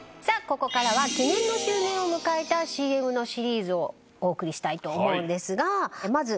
ここからは記念の周年を迎えたＣＭのシリーズをお送りしたいと思うんですがまず。